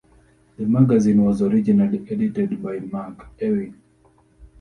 The magazine was originally edited by Mark Ewing.